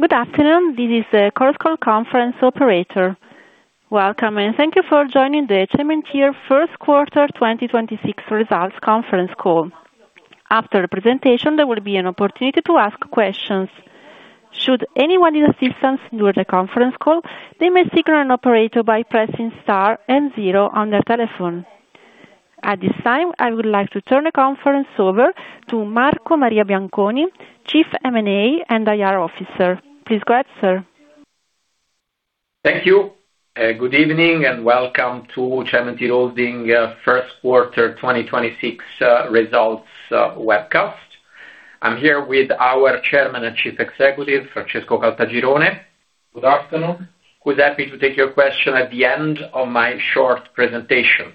Good afternoon. This is a Chorus Call conference operator. Welcome, and thank you for joining the Cementir Q1 2026 results conference call. After the presentation, there will be an opportunity to ask questions. Should anyone need assistance during the conference call, they may signal an operator by pressing star and zero on their telephone. At this time, I would like to turn the conference over to Marco Maria Bianconi, Chief M&A and IR Officer. Please go ahead, sir. Thank you. Good evening, and welcome to Cementir Holding Q1 2026 results webcast. I'm here with our Chairman and Chief Executive, Francesco Caltagirone. Good afternoon. Who's happy to take your question at the end of my short presentation.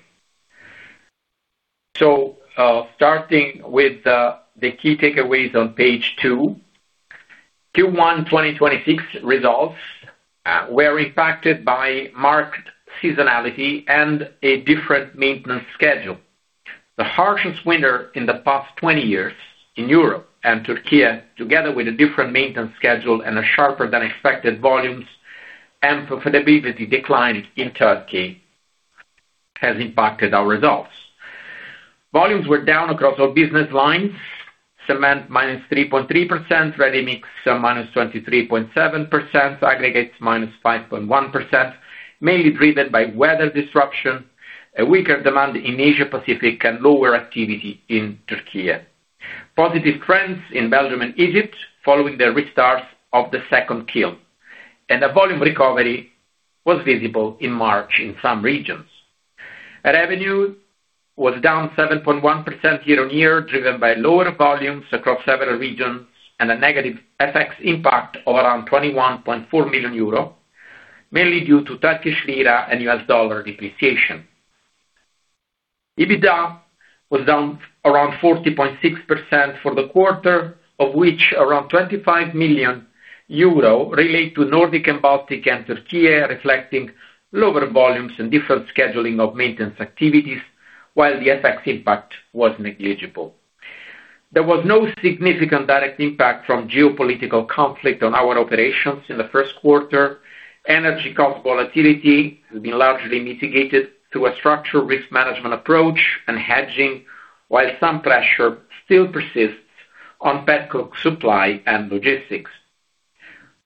Starting with the key takeaways on page two. Q1 2026 results were impacted by marked seasonality and a different maintenance schedule. The harshest winter in the past 20 years in Europe and Türkiye, together with a different maintenance schedule and a sharper than expected volumes and profitability decline in Türkiye has impacted our results. Volumes were down across all business lines. Cement -3.3%, ready-mix -23.7%, aggregates -5.1%, mainly driven by weather disruption, a weaker demand in Asia Pacific, and lower activity in Türkiye. Positive trends in Belgium and Egypt following the restart of the second kiln, and a volume recovery was visible in March in some regions. Revenue was down 7.1% year-on-year, driven by lower volumes across several regions and a negative FX impact of around 21.4 million euro, mainly due to Turkish lira and US dollar depreciation. EBITDA was down around 40.6% for the quarter, of which around 25 million euro relate to Nordic & Baltic and Türkiye, reflecting lower volumes and different scheduling of maintenance activities, while the FX impact was negligible. There was no significant direct impact from geopolitical conflict on our operations in the Q1. Energy cost volatility has been largely mitigated through a structural risk management approach and hedging, while some pressure still persists on pet coke supply and logistics.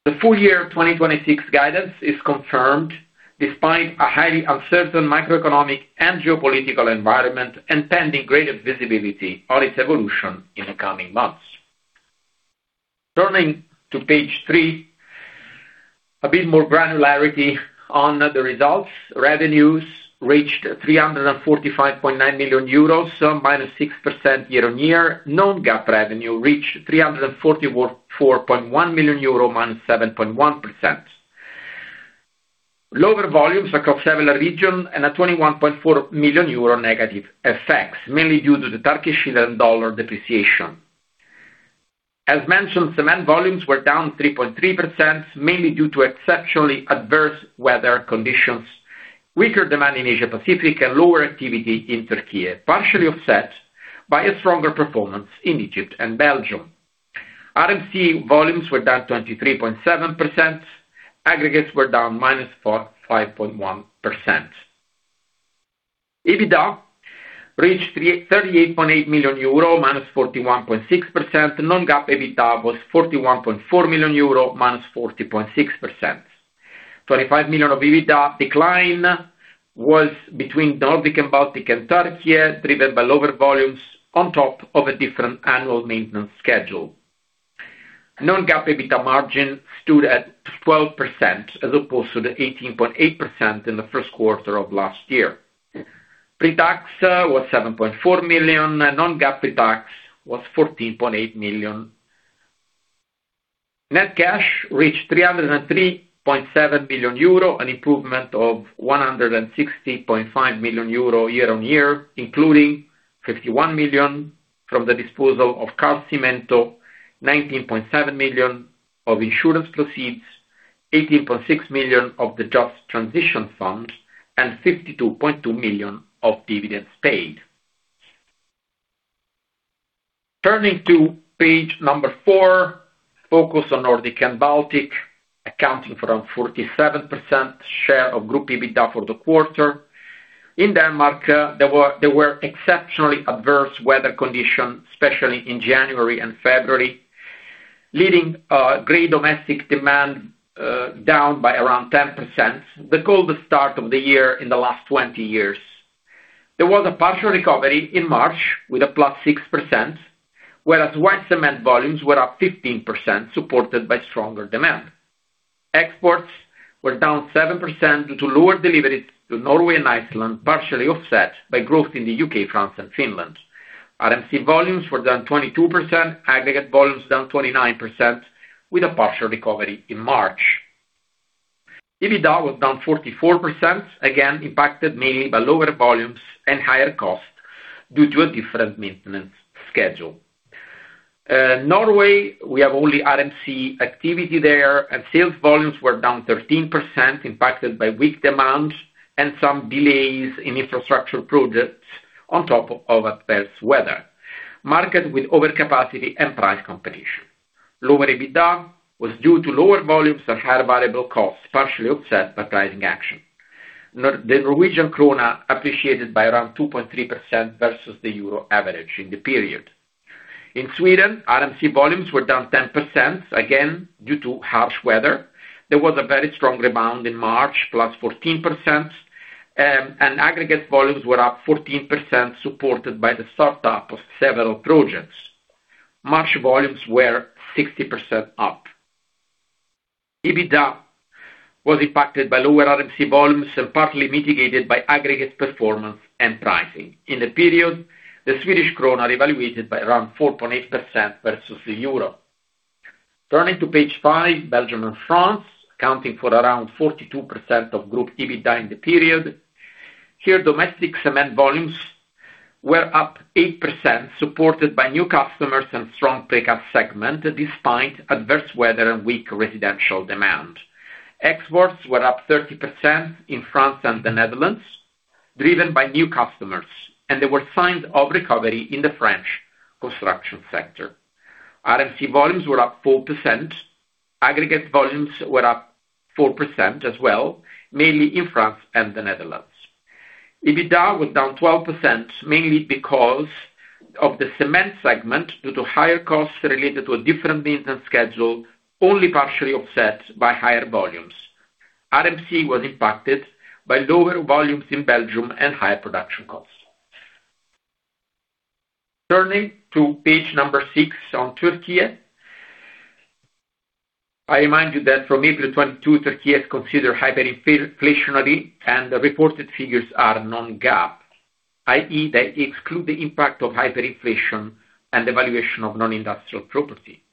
The FY 2026 guidance is confirmed despite a highly uncertain macroeconomic and geopolitical environment and pending greater visibility on its evolution in the coming months. Turning to page three, a bit more granularity on the results. Revenues reached 345.9 million euros, minus 6% year-on-year. Non-GAAP revenue reached 344.1 million euros, minus 7.1%. Lower volumes across several regions and a 21.4 million euro negative FX, mainly due to the Turkish lira and USD depreciation. As mentioned, cement volumes were down 3.3%, mainly due to exceptionally adverse weather conditions, weaker demand in Asia Pacific and lower activity in Türkiye, partially offset by a stronger performance in Egypt and Belgium. RMC volumes were down 23.7%. Aggregates were down minus 5.1%. EBITDA reached 38.8 million euro, minus 41.6%. Non-GAAP EBITDA was 41.4 million euro, minus 40.6%. 25 million of EBITDA decline was between Nordic & Baltic and Türkiye, driven by lower volumes on top of a different annual maintenance schedule. non-GAAP EBITDA margin stood at 12% as opposed to the 18.8% in the Q1 of last year. Pre-tax was 7.4 million, and non-GAAP pre-tax was 14.8 million. Net cash reached 303.7 million euro, an improvement of 160.5 million euro year-on-year, including 51 million from the disposal of Kars Cimento, 19.7 million of insurance proceeds, 18.6 million of the Just Transition Funds, and 52.2 million of dividends paid. Turning to page number four, focus on Nordic & Baltic, accounting for around 47% share of group EBITDA for the quarter. In Denmark, there were exceptionally adverse weather conditions, especially in January and February, leading gray domestic demand down by around 10%, the coldest start of the year in the last 20 years. There was a partial recovery in March with a plus 6%, whereas white cement volumes were up 15% supported by stronger demand. Exports were down 7% due to lower deliveries to Norway and Iceland, partially offset by growth in the U.K., France and Finland. RMC volumes were down 22%, aggregate volumes down 29%, with a partial recovery in March. EBITDA was down 44%, again impacted mainly by lower volumes and higher costs due to a different maintenance schedule. Norway, we have only RMC activity there, and sales volumes were down 13%, impacted by weak demand and some delays in infrastructure projects on top of adverse weather. Market with overcapacity and price competition. Lower EBITDA was due to lower volumes and higher variable costs, partially offset by pricing action. The Norwegian krona appreciated by around 2.3% versus the EUR average in the period. In Sweden, RMC volumes were down 10%, again, due to harsh weather. There was a very strong rebound in March, +14%. Aggregate volumes were up 14%, supported by the start up of several projects. March volumes were 60% up. EBITDA was impacted by lower RMC volumes and partly mitigated by aggregate performance and pricing. In the period, the Swedish krona revaluated by around 4.8% versus the EUR. Turning to page 5, Belgium and France, accounting for around 42% of group EBITDA in the period. Here, domestic cement volumes were up 8%, supported by new customers and strong precast segment, despite adverse weather and weak residential demand. Exports were up 30% in France and the Netherlands, driven by new customers, and there were signs of recovery in the French construction sector. RMC volumes were up 4%. Aggregate volumes were up 4% as well, mainly in France and the Netherlands. EBITDA was down 12%, mainly because of the cement segment, due to higher costs related to a different maintenance schedule, only partially offset by higher volumes. RMC was impacted by lower volumes in Belgium and higher production costs. Turning to page number six on Türkiye. I remind you that from April 22, Türkiye is considered hyperinflationary, and the reported figures are non-GAAP, i.e., they exclude the impact of hyperinflation and devaluation of non-industrial property.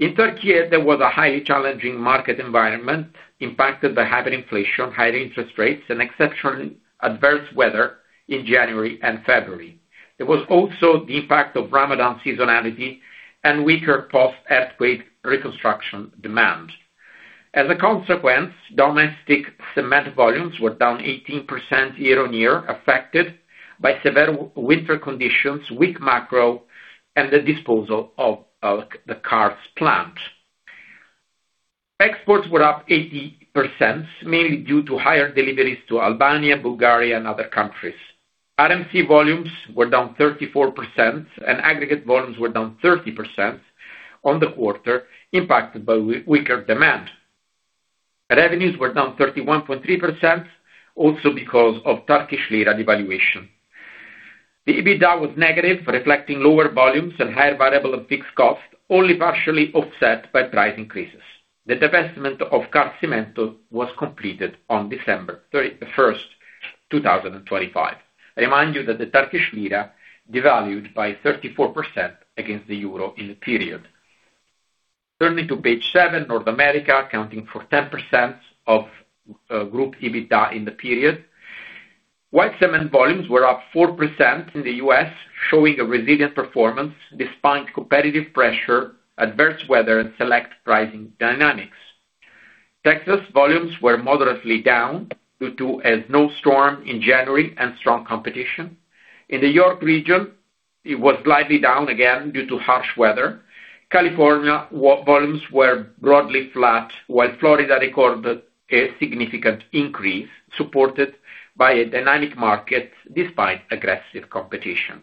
In Türkiye, there was a highly challenging market environment impacted by hyperinflation, higher interest rates and exceptionally adverse weather in January and February. There was also the impact of Ramadan seasonality and weaker post-earthquake reconstruction demand. As a consequence, domestic cement volumes were down 18% year-on-year, affected by severe winter conditions, weak macro, and the disposal of the Kars plant. Exports were up 80%, mainly due to higher deliveries to Albania, Bulgaria and other countries. RMC volumes were down 34%, and aggregate volumes were down 30% on the quarter, impacted by weaker demand. Revenues were down 31.3% also because of Turkish lira devaluation. The EBITDA was negative, reflecting lower volumes and higher variable and fixed costs, only partially offset by price increases. The divestment of Kars Cimento was completed on December 31st, 2025. I remind you that the Turkish lira devalued by 34% against the EUR in the period. Turning to page seven, North America, accounting for 10% of group EBITDA in the period. White cement volumes were up 4% in the U.S., showing a resilient performance despite competitive pressure, adverse weather and select pricing dynamics. Texas volumes were moderately down due to a snow storm in January and strong competition. In the York region, it was slightly down again due to harsh weather. California volumes were broadly flat, while Florida recorded a significant increase, supported by a dynamic market despite aggressive competition.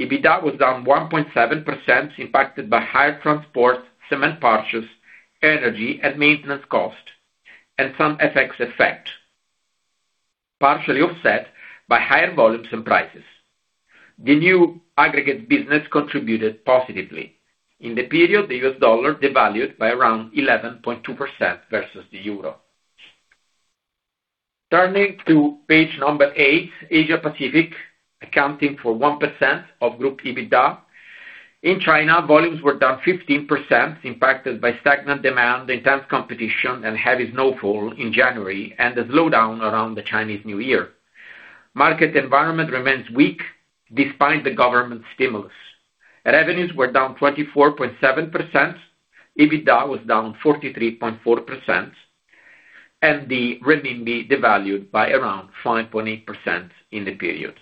EBITDA was down 1.7%, impacted by higher transport, cement purchases, energy and maintenance cost, and some FX effect, partially offset by higher volumes and prices. The new aggregate business contributed positively. In the period, the U.S. dollar devalued by around 11.2% versus the euro. Turning to page number eight, Asia Pacific, accounting for 1% of group EBITDA. In China, volumes were down 15%, impacted by stagnant demand, intense competition and heavy snowfall in January and the slowdown around the Chinese New Year. Market environment remains weak despite the government stimulus. Revenues were down 24.7%. EBITDA was down 43.4%, and the renminbi devalued by around 5.8% in the period.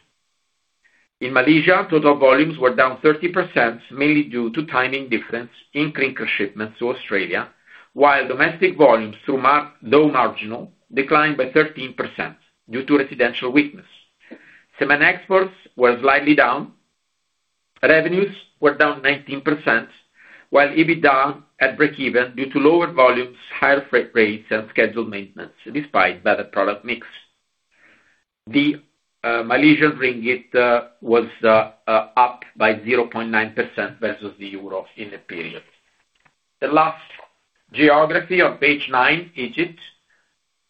In Malaysia, total volumes were down 30%, mainly due to timing difference in clinker shipments to Australia, while domestic volumes though marginal, declined by 13% due to residential weakness. Cement exports were slightly down. Revenues were down 19%, while EBITDA at breakeven due to lower volumes, higher freight rates and scheduled maintenance, despite better product mix. The Malaysian ringgit was up by 0.9% versus the euro in the period. The last geography on page nine, Egypt,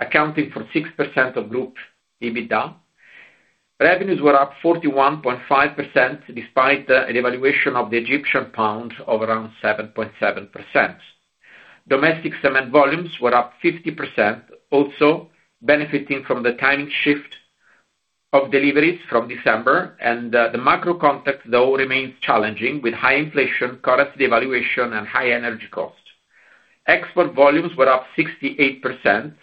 accounting for 6% of group EBITDA. Revenues were up 41.5%, despite the devaluation of the Egyptian pound of around 7.7%. Domestic cement volumes were up 50%, also benefiting from the timing shift of deliveries from December, and the macro context, though, remains challenging with high inflation, currency devaluation and high energy costs. Export volumes were up 68%,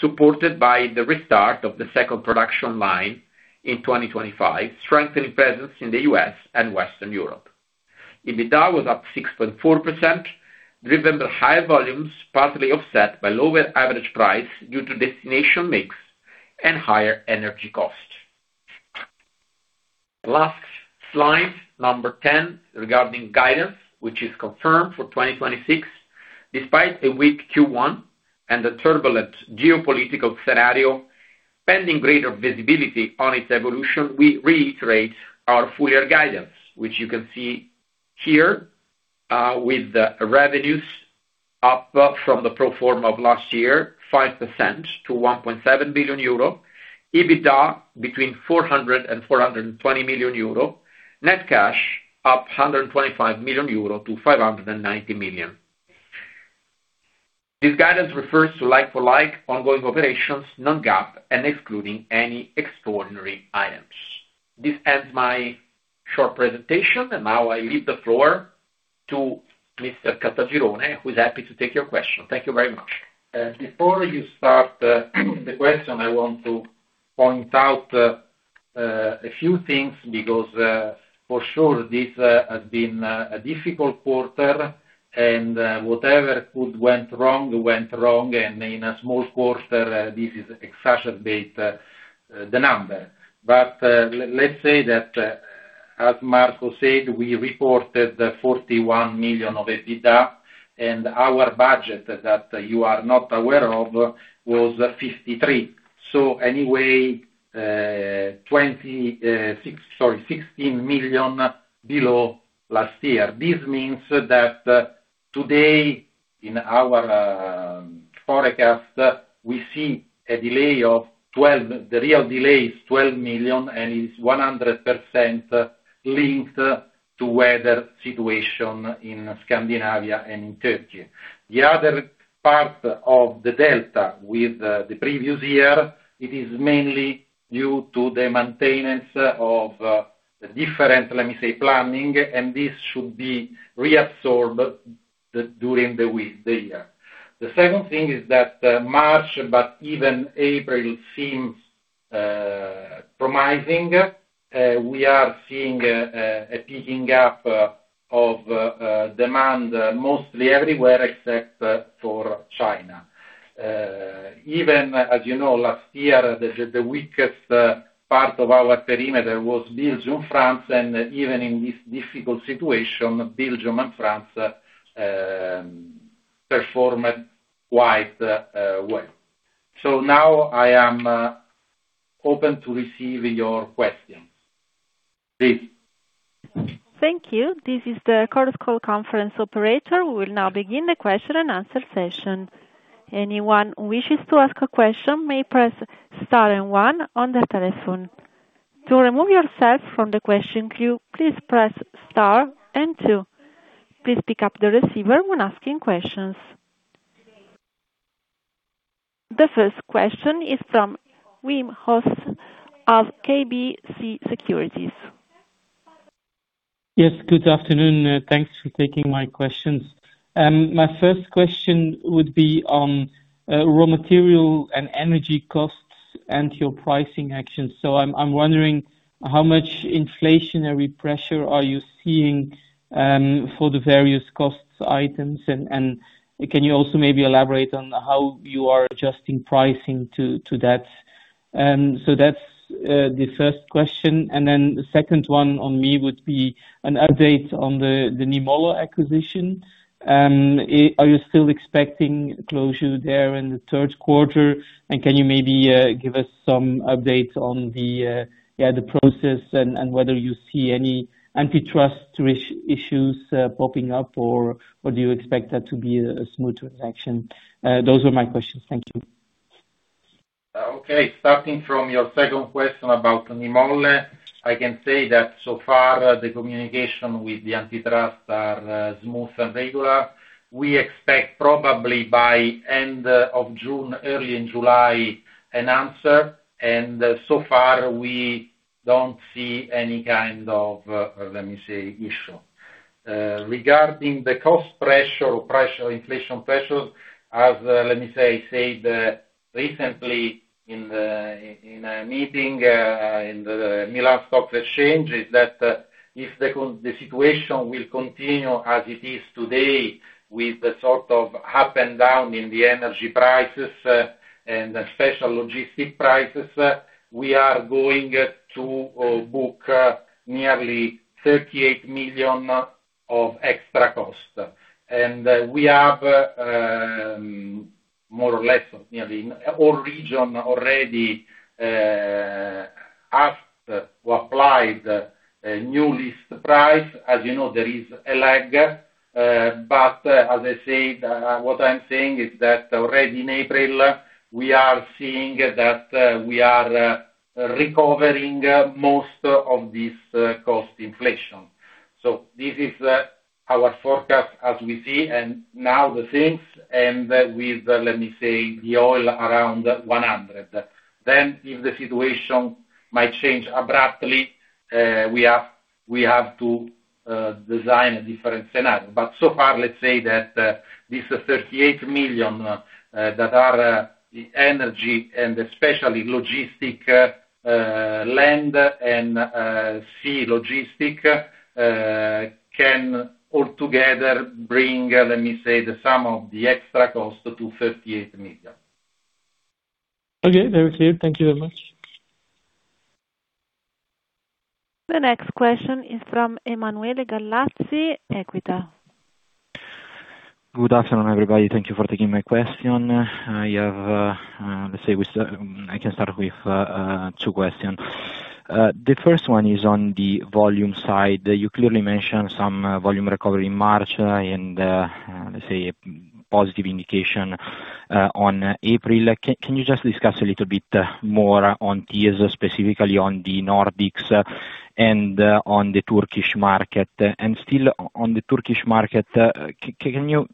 supported by the restart of the second production line in 2025, strengthening presence in the U.S. and Western Europe. EBITDA was up 6.4%, driven by higher volumes, partly offset by lower average price due to destination mix and higher energy costs. Last slide, number 10, regarding guidance, which is confirmed for 2026. Despite a weak Q1 and a turbulent geopolitical scenario, pending greater visibility on its evolution, we reiterate our full year guidance, which you can see here, with the revenues up from the pro forma of last year, 5% to 1.7 billion euro. EBITDA between 400 million euro and 420 million euro. Net cash up 125 million euro to 590 million. This guidance refers to like-for-like ongoing operations, non-GAAP and excluding any extraordinary items. This ends my short presentation. Now I leave the floor to Mr. Caltagirone, who is happy to take your question. Thank you very much. Before you start the question, I want to point out a few things because for sure this has been a difficult quarter and whatever could went wrong, went wrong, and in a small quarter, this is exacerbate the number. Let's say that as Marco said, we reported 41 million of EBITDA and our budget that you are not aware of was 53 million. Anyway, 26 Sorry, 16 million below last year. This means that today in our forecast, we see a delay of 12 million, the real delay is 12 million and is 100% linked to weather situation in Scandinavia and in Turkey. The other part of the delta with the previous year, it is mainly due to the maintenance of the different planning, and this should be reabsorbed during the year. The second thing is that March, but even April seems promising. We are seeing a picking up of demand mostly everywhere except for China. Even as you know, last year, the weakest part of our perimeter was Belgium, France, and even in this difficult situation, Belgium and France performed quite well. Now I am open to receive your questions. Please. Thank you. This is the Chorus Call conference operator. We will now begin the question and answer session. Anyone who wishes to ask a question may press star and one on the telephone. To remove yourself from the question queue, please press star and two. Please pick up the receiver when asking questions. The first question is from Wim Hoste of KBC Securities. Yes, good afternoon. Thanks for taking my questions. My first question would be on raw material and energy costs and your pricing actions. I'm wondering how much inflationary pressure are you seeing for the various costs items and can you also maybe elaborate on how you are adjusting pricing to that? That's the first question. The second one on me would be an update on the Nymølle acquisition. Are you still expecting closure there in the third quarter? Can you maybe give us some updates on the process and whether you see any antitrust issues popping up or do you expect that to be a smooth transaction? Those are my questions. Thank you. Okay. Starting from your second question about Nymølle, I can say that so far the communication with the antitrust are smooth and regular. We expect probably by end of June, early in July, an answer. So far we don't see any kind of, let me say, issue. Regarding the cost pressure, inflation pressures, as, let me say, that recently in a meeting in the Milan Stock Exchange, is that, if the situation will continue as it is today with the sort of up and down in the energy prices and the special logistic prices, we are going to book nearly 38 million of extra cost. We have more or less nearly all region already asked to apply the new list price. As you know, there is a lag. As I said, what I'm saying is that already in April, we are seeing that we are recovering most of this cost inflation. This is our forecast as we see and now the sales and with, let me say, the oil around 100. If the situation might change abruptly, we have to design a different scenario. So far, let me say that this 38 million that are energy and especially logistic, land and sea logistic, can altogether bring, let me say, the sum of the extra cost to 38 million. Okay. Very clear. Thank you very much. The next question is from Emanuele Gallazzi, Equita. Good afternoon, everybody. Thank you for taking my question. I have, I can start with two questions. The first one is on the volume side. You clearly mentioned some volume recovery in March and positive indication on April. Can you just discuss a little bit more on tiers, specifically on the Nordics and on the Turkish market? Still on the Turkish market, can you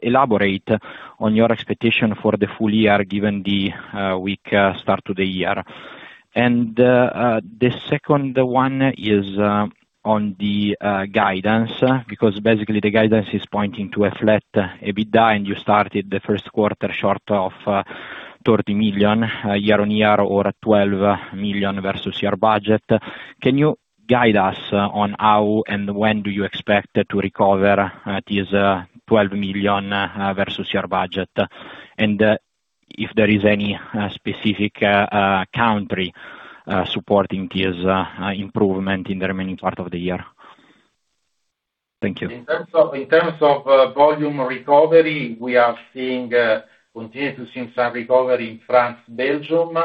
elaborate on your expectation for the full year given the weak start to the year? The second one is on the guidance, because basically the guidance is pointing to a flat EBITDA, and you started the Q1 short of 30 million year-on-year or 12 million versus your budget. Can you guide us on how and when do you expect to recover this 12 million versus your budget? If there is any specific country supporting this improvement in the remaining part of the year. Thank you. In terms of volume recovery, we are seeing, continue to see some recovery in France, Belgium.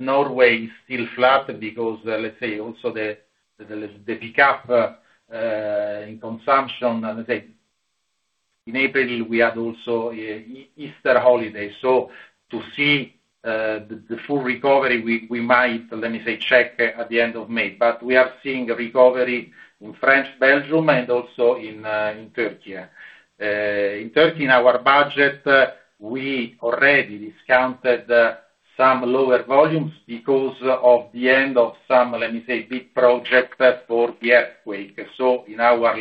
Norway is still flat because also the pickup in consumption in April, we had also Easter holiday. To see the full recovery, we might check at the end of May. We are seeing a recovery in France, Belgium, and also in Turkey. In Turkey, in our budget, we already discounted some lower volumes because of the end of some big project for the earthquake. In our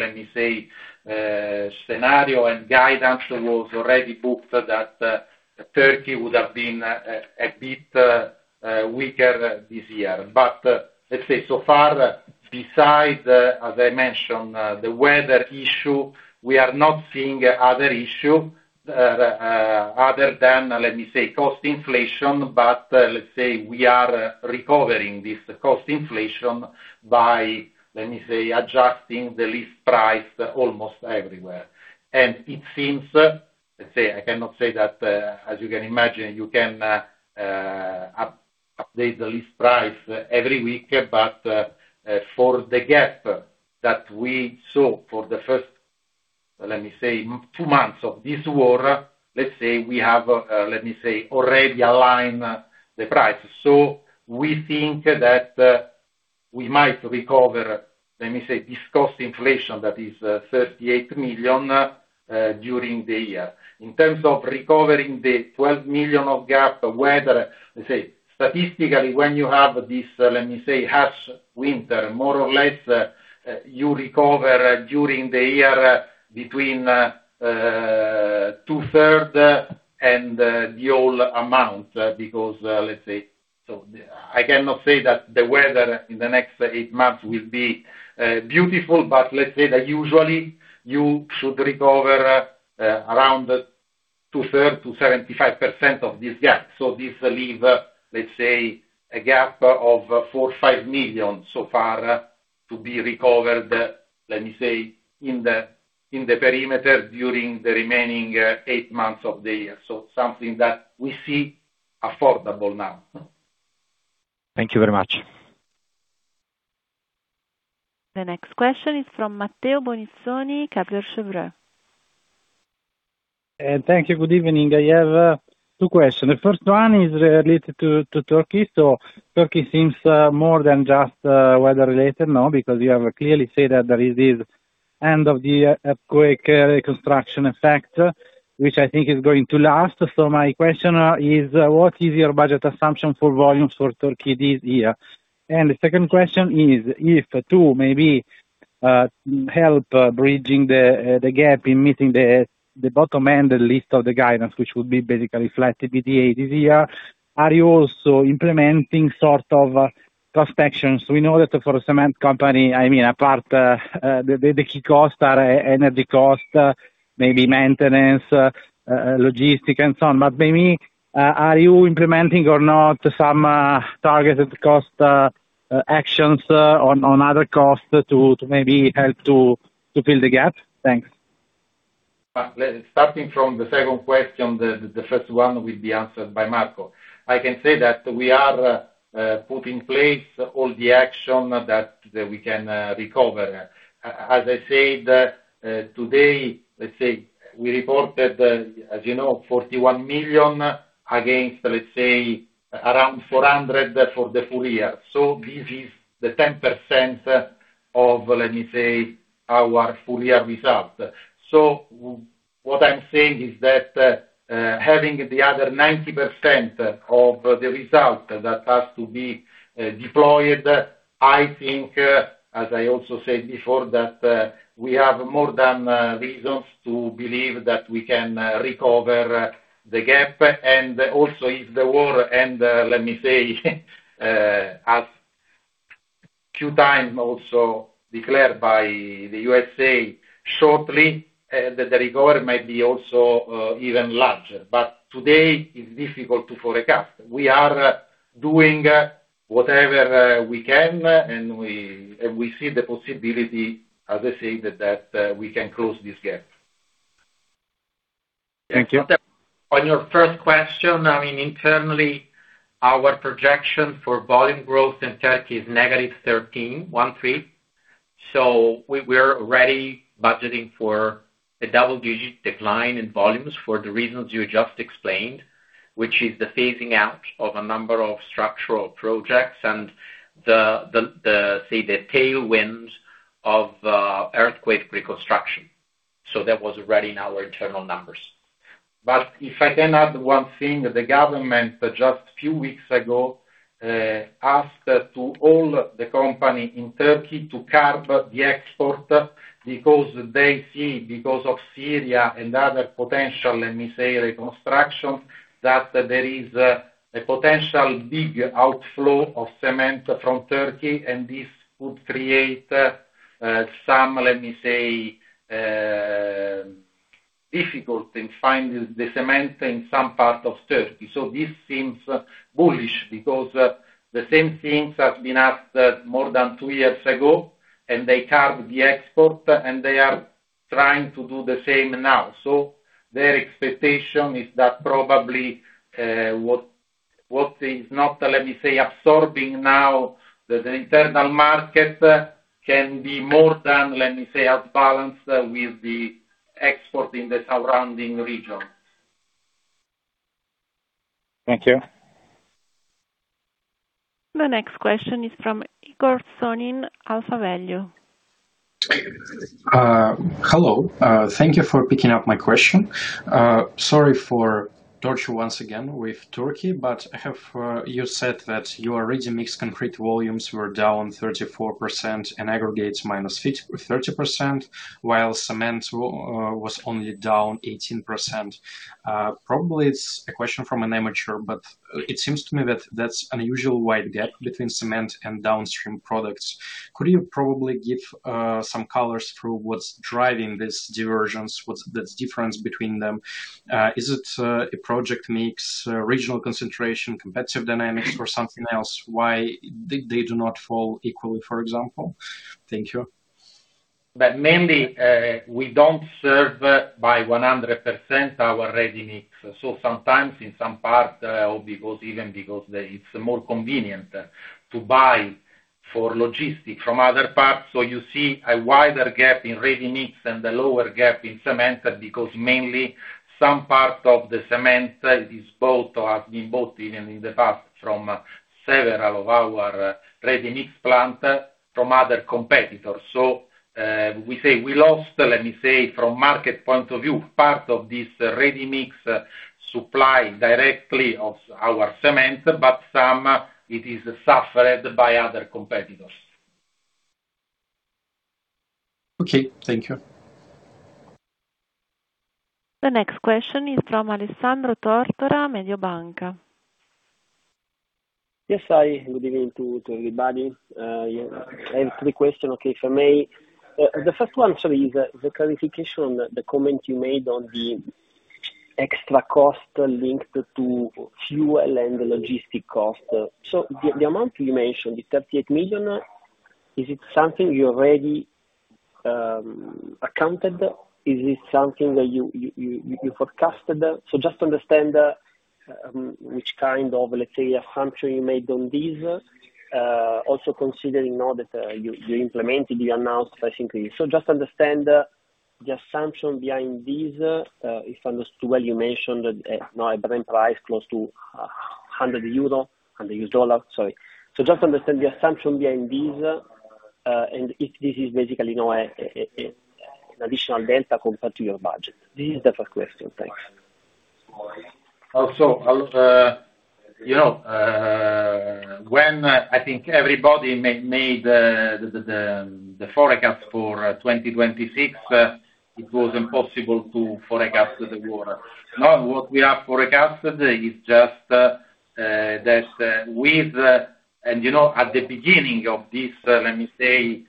scenario and guidance was already booked that Turkey would have been a bit weaker this year. Let's say so far, besides, as I mentioned, the weather issue, we are not seeing other issue, other than, let me say, cost inflation. Let's say we are recovering this cost inflation by, let me say, adjusting the list price almost everywhere. It seems, let me say, I cannot say that, as you can imagine, you can update the list price every week. For the gap that we saw for the first, let me say, two months of this war, let me say we have, let me say, already aligned the price. We think that we might recover, let me say, this cost inflation that is 38 million during the year. In terms of recovering the 12 million of gap, whether, let's say, statistically, when you have this, let me say, harsh winter, more or less, you recover during the year between two-thirds and the whole amount, because, let's say. I cannot say that the weather in the next eight months will be beautiful, but let's say that usually you should recover around two-thirds to 75% of this gap. This leave, let's say, a gap of 4 million-5 million so far to be recovered, let me say, in the perimeter during the remaining eight months of the year. Something that we see affordable now. Thank you very much. The next question is from Matteo Bonizzoni, Kepler Cheuvreux. Thank you. Good evening. I have two questions. The first one is related to Turkey. Turkey seems more than just weather-related now because you have clearly said that there is this end of the earthquake reconstruction effect, which I think is going to last. My question is: What is your budget assumption for volumes for Turkey this year? The second question is, If to maybe help bridging the gap in meeting the bottom end list of the guidance, which would be basically flat EBITDA this year, are you also implementing sort of cost actions? We know that for a cement company, I mean, apart, the key costs are energy cost, maybe maintenance, logistic and so on. Maybe, are you implementing or not some targeted cost actions on other costs to maybe help to fill the gap? Thanks. Starting from the second question, the first one will be answered by Marco. I can say that we are putting in place all the action that we can recover. As I said, today we reported, as you know, 41 million against around 400 million for the full year. This is the 10% of our full year results. What I'm saying is that, having the other 90% of the results that has to be deployed, I think, as I also said before, that we have more than reasons to believe that we can recover the gap. Also if the war end, as few times also declared by the USA shortly, that the recovery might be also even larger. Today it's difficult to forecast. We are doing whatever we can, and we see the possibility, as I said, that we can close this gap. Thank you. On your first question, I mean, internally, our projection for volume growth in Turkey is negative 13. We're already budgeting for a double-digit decline in volumes for the reasons you just explained, which is the phasing out of a number of structural projects and the tailwind of earthquake reconstruction. That was already in our internal numbers. If I can add one thing, the government just few weeks ago asked to all the company in Turkey to curb the export because they see, because of Syria and other potential, let me say, reconstruction, that there is a potential big outflow of cement from Turkey, and this could create some, let me say, difficulty in finding the cement in some parts of Turkey. This seems bullish because the same things have been asked more than two years ago, and they curb the export, and they are trying to do the same now. Their expectation is that probably, what is not, let me say, absorbing now the internal market can be more than, let me say, outbalanced with the export in the surrounding region. Thank you. The next question is from Igor Sonin, AlphaValue. Hello. Thank you for picking up my question. Sorry for torture once again with Türkiye, you said that your ready-mix concrete volumes were down 34% and aggregates minus 30%, while cement was only down 18%. Probably it's a question from an amateur, but it seems to me that that's unusual wide gap between cement and downstream products. Could you probably give some colors through what's driving this divergence, what's the difference between them? Is it a project mix, regional concentration, competitive dynamics or something else? Why they do not fall equally, for example? Thank you. Mainly, we don't serve by 100% our ready-mix. Sometimes in some parts, or because even because it's more convenient to buy for logistics from other parts. You see a wider gap in ready-mix and the lower gap in cement because mainly some part of the cement is bought or have been bought even in the past from several of our ready-mix plant from other competitors. We say we lost, let me say, from market point of view, part of this ready-mix supply directly of our cement, but some it is suffered by other competitors. Okay, thank you. The next question is from Alessandro Tortora, Mediobanca. Yes, hi. Good evening to everybody. Yeah, I have three question, okay, if I may. The first one, sorry, is the clarification, the comment you made on the extra cost linked to fuel and logistic cost. The amount you mentioned, the 38 million, is it something you already accounted? Is this something that you forecasted? Just to understand which kind of, let's say, assumption you made on this, also considering now that you implemented, you announced a price increase. Just understand the assumption behind this, if I understood well, you mentioned that now the current price close to 100 euro, $100, sorry. Just to understand the assumption behind this, and if this is basically now an additional delta compared to your budget. This is the first question. Thanks. Also, you know, when I think everybody made the forecast for 2026, it was impossible to forecast the war. Now, what we have forecasted is just that. You know, at the beginning of this, let me say,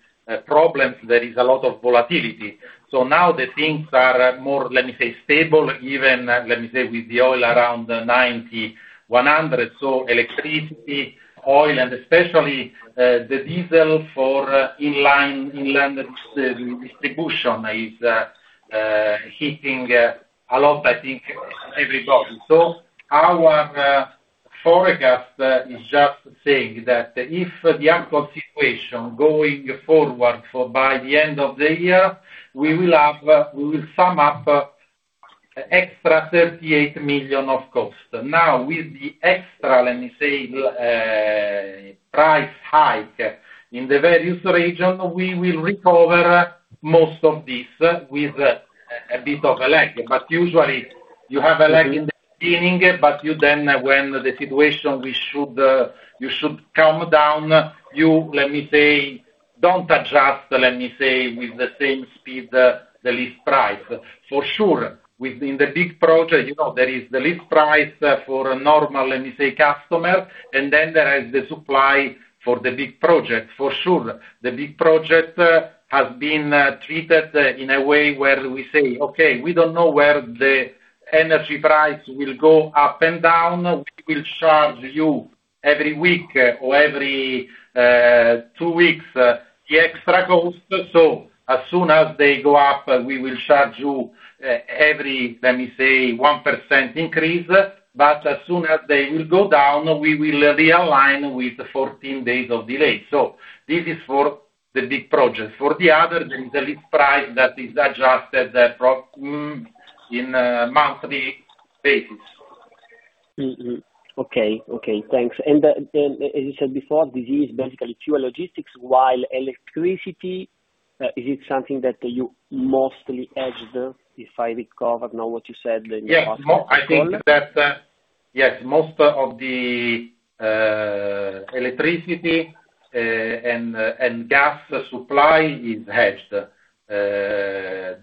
problems, there is a lot of volatility. Now the things are more, let me say, stable, even, let me say, with the oil around 90, 100. Electricity, oil, and especially the diesel for inline, inland distribution is hitting a lot, I think, everybody. Our forecast is just saying that if the actual situation going forward for by the end of the year, we will have, we will sum up extra 38 million of cost. With the extra, let me say, price hike in the various region, we will recover most of this with a bit of a lag. Usually you have a lag in the beginning, but you then when the situation you should come down, you, let me say, don't adjust, let me say, with the same speed, the list price. Within the big project, you know, there is the list price for a normal, let me say, customer, and then there is the supply for the big project. The big project has been treated in a way where we say, "Okay, we don't know where the energy price will go up and down. We will charge you every week or every two weeks the extra cost. As soon as they go up, we will charge you every, let me say, 1% increase. As soon as they will go down, we will realign with 14 days of delay. This is for the big projects. For the others, the list price that is adjusted on a monthly basis. Okay. Okay, thanks. As you said before, this is basically fuel logistics while electricity is it something that you mostly hedged, if I recover now what you said in your last call? Yes. I think that, yes, most of the electricity and gas supply is hedged.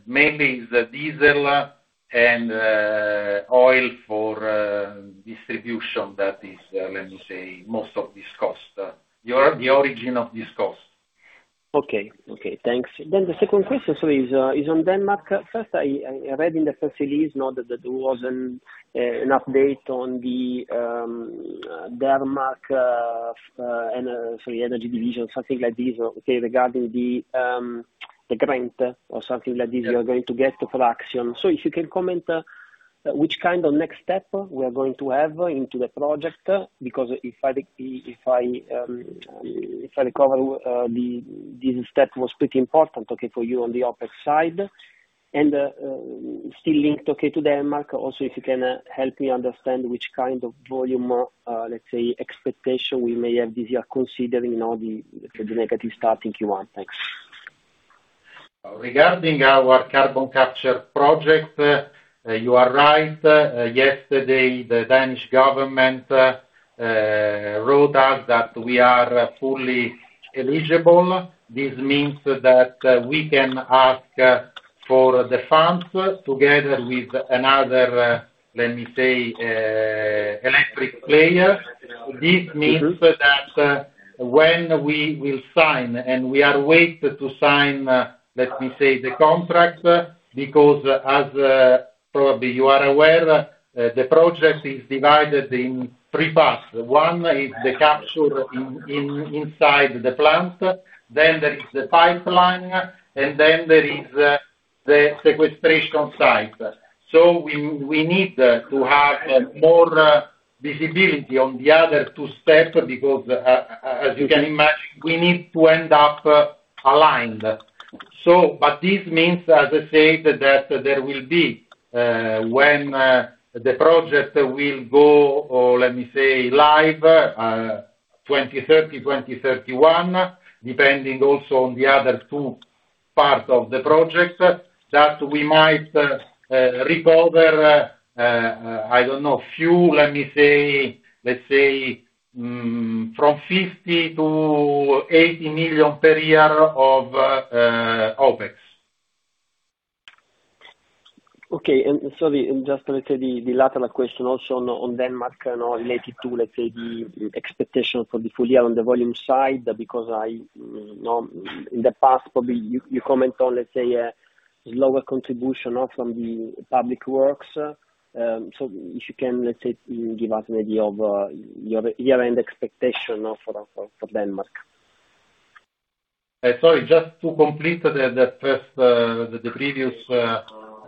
Mainly is diesel and oil for distribution that is, let me say, most of this cost, the origin of this cost. Okay. Okay, thanks. The second question is on Denmark. First, I read in the first release now that there was an update on the Denmark energy division, something like this, okay, regarding the grant or something like this. Yeah You are going to get for action. If you can comment, which kind of next step we are going to have into the project? Because if I recover, this step was pretty important, okay, for you on the OpEx side. Still linked, okay, to Denmark, also, if you can help me understand which kind of volume, or, let's say, expectation we may have this year considering all the negative start in Q1. Thanks. Regarding our carbon capture project, you are right. Yesterday, the Danish government wrote us that we are fully eligible. This means that we can ask for the funds together with another, let me say, electric player. This means that, when we will sign, and we are wait to sign, let me say, the contract, because as, probably you are aware, the project is divided in three parts. One is the capture in inside the plant, then there is the pipeline, and then there is the sequestration site. We need to have more visibility on the other two step because as you can imagine, we need to end up aligned. This means, as I said, that there will be, when the project will go, or let me say, live, 2030, 2031, depending also on the other two parts of the project, that we might recover, I don't know, few, let me say, let's say, from 50 million-80 million per year of OpEx. Okay. Sorry, just to let's say the lateral question also on Denmark now related to, let's say, the expectation for the full year on the volume side, because I know in the past probably you comment on, let's say, lower contribution also on the public works. If you can, let's say, give us an idea of your end expectation of for Denmark? Sorry, just to complete the first, the previous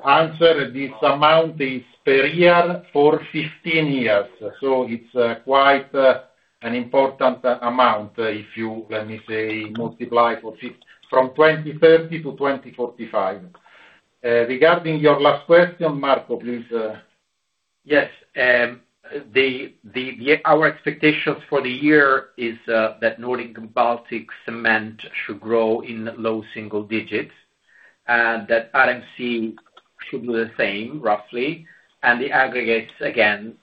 answer, this amount is per year for 15 years. It's quite an important amount if you, let me say, multiply from 2030 to 2045. Regarding your last question, Marco, please. Yes. Our expectations for the year is that Nordic & Baltic should grow in low single digits, and that RMC should do the same, roughly, and the aggregates again,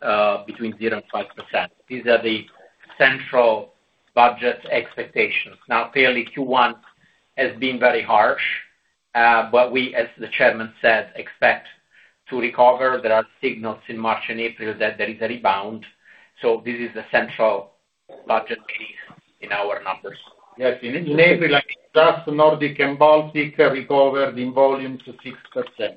between 0% and 5%. These are the central budget expectations. Clearly, Q1 has been very harsh, but we, as the Chairman said, expect to recover. There are signals in March and April that there is a rebound. This is the central budget case in our numbers. Yes. In April, like just Nordic & Baltic recovered in volume to 6%.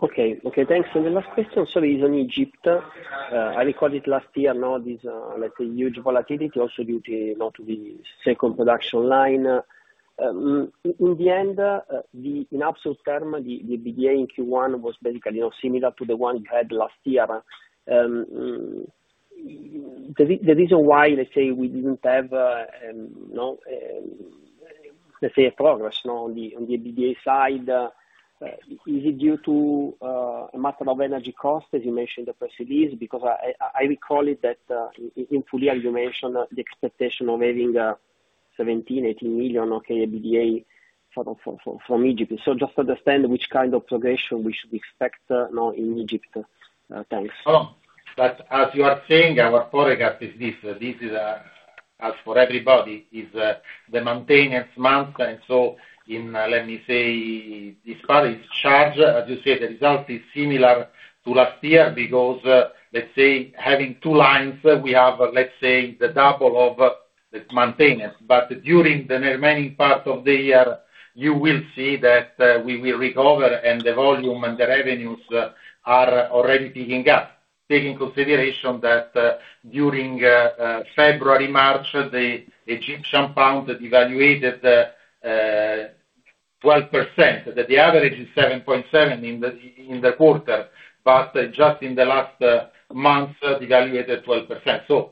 Okay. Okay, thanks. The last question, sorry, is on Egypt. I recall it last year now this, let's say, huge volatility also due to, you know, to the second production line. In the end, the gain in absolute term, the gain in Q1 was basically similar to the one you had last year. The reason why, let's say, we didn't have, you know, a progress on the EBITDA side, is it due to, a matter of energy cost, as you mentioned at first it is? Because I recall it that, in full year you mentioned the expectation of having 17-18 million EBITDA from Egypt. Just understand which kind of progression we should expect now in Egypt. Thanks. As you are saying, our forecast is this. This is, as for everybody, is the maintenance month. In, let me say, this part is charged. As you say, the result is similar to last year because, having two lines, we have the double of this maintenance. During the remaining part of the year, you will see that we will recover, and the volume and the revenues are already picking up. Take in consideration that, during February, March, the EGP devaluated 12%. The average is 7.7 in the quarter, but just in the last month, devaluated 12%.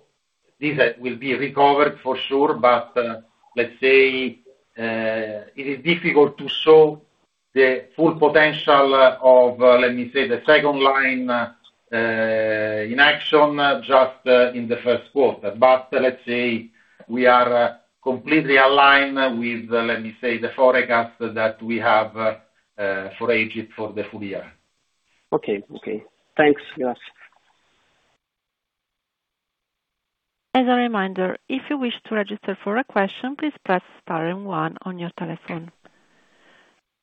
This will be recovered for sure, but, let's say, it is difficult to show the full potential of, let me say, the second line in action just in the Q1. Let's say we are completely aligned with, let me say, the forecast that we have for Egypt for the full year. Okay. Okay. Thanks, guys. As a reminder, if you wish to register for a question, please press star and one on your telephone.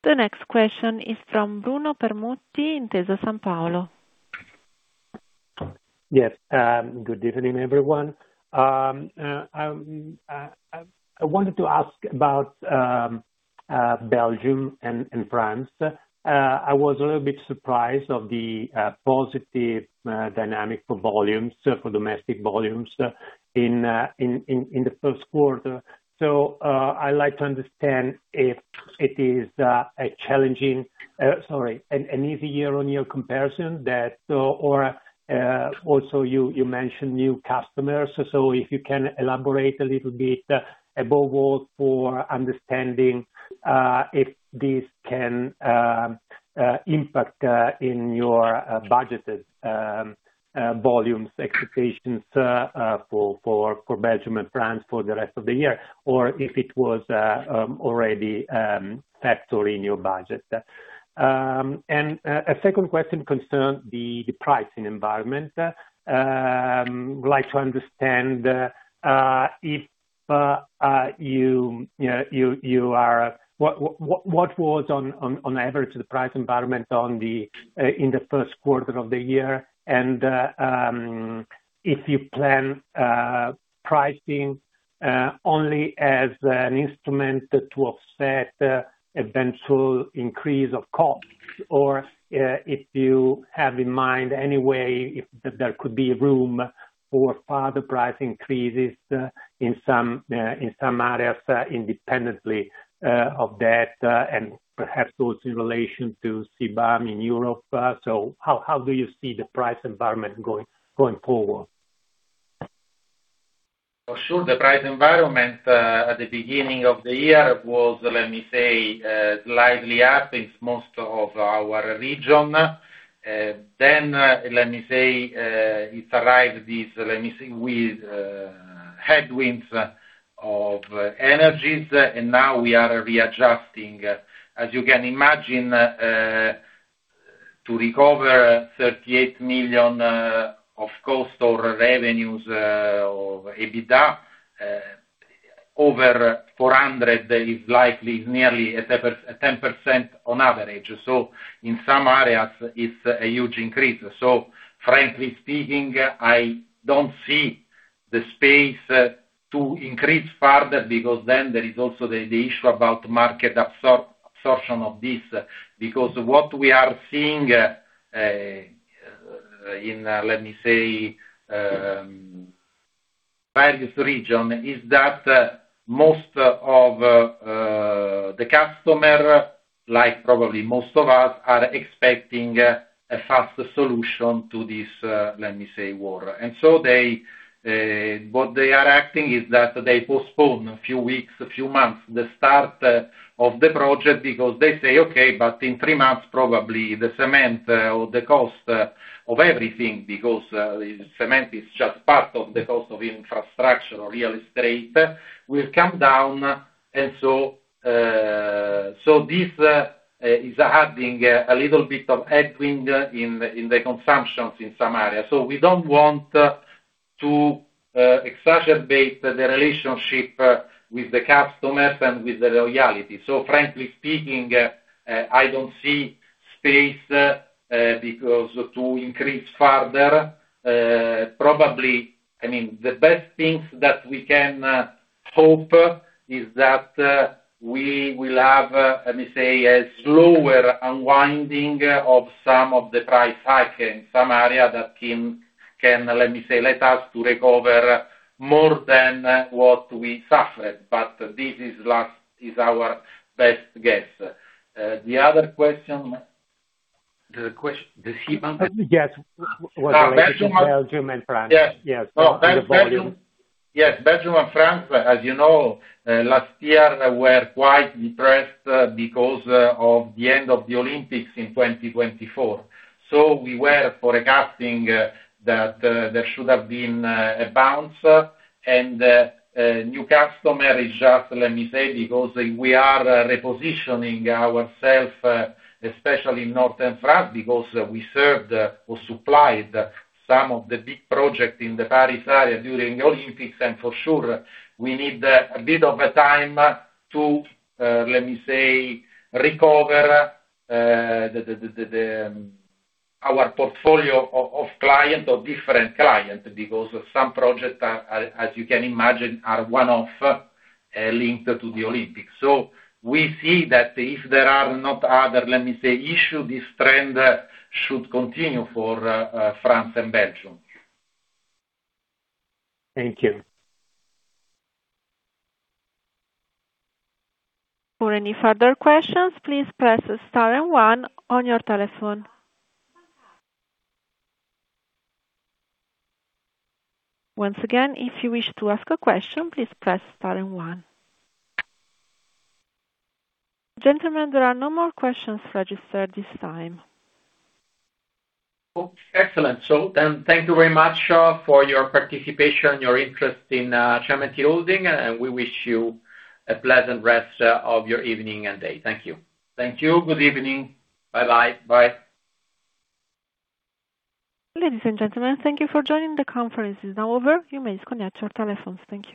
The next question is from Bruno Permutti, Intesa Sanpaolo. Yes. Good evening, everyone. I wanted to ask about Belgium and France. I was a little bit surprised of the positive dynamic for volumes, for domestic volumes, in the Q1. I like to understand if it is an easy year-on-year comparison that or also you mentioned new customers. If you can elaborate a little bit above all for understanding if this can impact in your budgeted volumes expectations for Belgium and France for the rest of the year, or if it was already factored in your budget. A second question concerned the pricing environment. I would like to understand what was on average the price environment in the Q1 of the year, and if you plan pricing only as an instrument to offset eventual increase of costs, or if you have in mind any way if there could be room for further price increases in some areas independently of that and perhaps also in relation to CBAM in Europe. How do you see the price environment going forward? For sure, the price environment at the beginning of the year was, let me say, slightly up in most of our region. Then, let me say, it arrived this, let me say, with headwinds of energies, and now we are readjusting. As you can imagine, to recover 38 million of cost or revenues of EBITDA over 400 million is likely, nearly a 10% on average. In some areas, it's a huge increase. Frankly speaking, I don't see the space to increase further because there is also the issue about market absorption of this. What we are seeing in, let me say, various region is that most of the customer, like probably most of us, are expecting a faster solution to this, let me say, war. They what they are acting is that they postpone a few weeks, a few months, the start of the project because they say, "Okay, but in three months, probably the cement or the cost of everything," because cement is just part of the cost of infrastructure or real estate, "will come down." This is adding a little bit of headwind in the consumptions in some areas. We don't want to exacerbate the relationship with the customers and with the loyalty. Frankly speaking, I don't see space because to increase further. Probably, I mean, the best thing that we can hope is that we will have, let me say, a slower unwinding of some of the price hike in some area that can, let me say, let us to recover more than what we suffered. But this is last, is our best guess. The other question? The heat pump? Yes. Was related to Belgium and France. Yes. Yes. The volume. Yes, Belgium and France, as you know, last year were quite depressed because of the end of the Olympics in 2024. We were forecasting that there should have been a bounce and a new customer is just because we are repositioning ourselves, especially in Northern France, because we served or supplied some of the big projects in the Paris area during Olympics. For sure, we need a bit of time to recover our portfolio of clients or different clients because some projects, as you can imagine, are one-off, linked to the Olympics. We see that if there are not other issues, this trend should continue for France and Belgium. Thank you. For any further questions, please press star and one on your telephone. Once again, if you wish to ask a question, please press star and one. Gentlemen, there are no more questions registered at this time. Oh, excellent. Thank you very much for your participation, your interest in Cementir Holding, and we wish you a pleasant rest of your evening and day. Thank you. Thank you. Good evening. Bye-bye. Bye. Ladies and gentlemen, thank you for joining. The conference is now over. You may disconnect your telephones. Thank you.